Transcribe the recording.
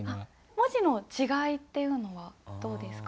文字の違いっていうのはどうですか？